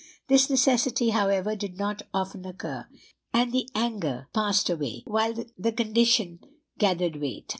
This necessity, however, did not often occur; and the anger passed away, while the condition gathered weight.